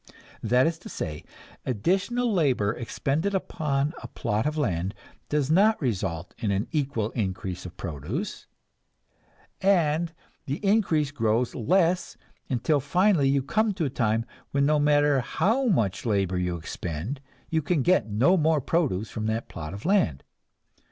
That is to say, additional labor expended upon a plot of land does not result in an equal increase of produce, and the increase grows less, until finally you come to a time when no matter how much labor you expend, you can get no more produce from that plot of land.